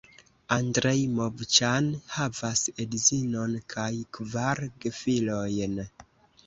Andrej Movĉan havas edzinon kaj kvar gefilojn.